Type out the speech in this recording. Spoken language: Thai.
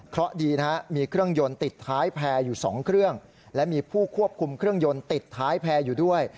เพราะดีนะฮะมีเครื่องยนต์ติดท้ายแพร่อยู่๒เครื่องและมีผู้ควบคุมเครื่องยนต์ติดท้ายแพร่อยู่ด้วย